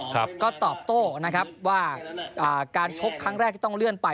ก็ตอบโต้นะครับว่าการชกครั้งแรกที่ต้องเลื่อนไป